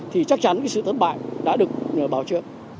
thì chắc chắn sự thất bại đã được bảo trưởng